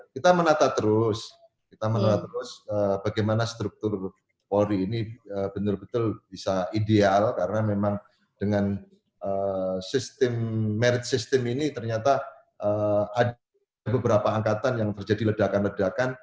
kita menata terus kita menata terus bagaimana struktur polri ini betul betul bisa ideal karena memang dengan sistem merit system ini ternyata ada beberapa angkatan yang terjadi ledakan ledakan